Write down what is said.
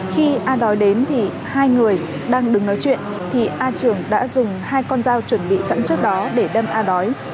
khi a đói đến thì hai người đang đứng nói chuyện thì a trường đã dùng hai con dao chuẩn bị sẵn trước đó để đâm a đói